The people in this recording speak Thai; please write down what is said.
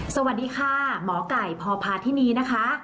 สวัสดีค่ะหมอก่ายพอพาที่นี่นะคะ